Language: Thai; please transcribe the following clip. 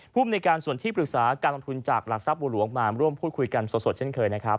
ภูมิในการส่วนที่ปรึกษาการลงทุนจากหลักทรัพย์บัวหลวงมาร่วมพูดคุยกันสดเช่นเคยนะครับ